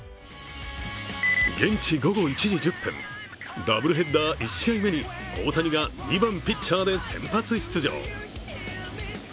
現地午後１時１０分、ダブルヘッダー１試合目に大谷が２番・ピッチャーで先発出場。